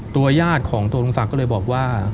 ตัวญาติของตัวลุงสักก็เลยบอกว่า